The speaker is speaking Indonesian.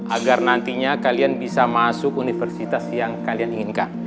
agar nantinya kalian bisa masuk universitas yang kalian inginkan